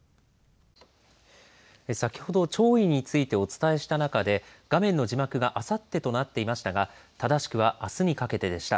先ほど、潮位についてお伝えした中で画面の字幕があさってとなっていましたが正しくは、あすにかけてでした。